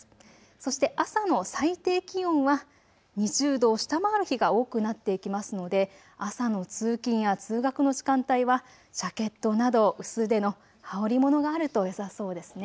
そして朝の最低気温は２０度を下回る日が多くなってきますので朝の通勤や通学の時間帯はジャケットなど薄手の羽織り物があるとよさそうですね。